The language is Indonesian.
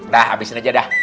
dah habisin aja dah